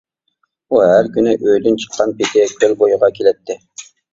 ئۇ ھەر كۈنى ئۆيىدىن چىققان پېتى كۆل بويىغا كېلەتتى.